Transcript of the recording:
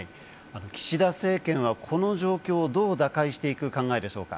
岸田政権はこの状況をどう打開していく考えでしょうか？